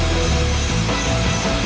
berj sel pada